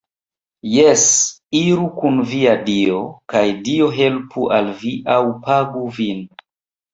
Jes, iru kun via Dio kaj Dio helpu al vi aŭ pagu vin